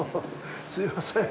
すいません。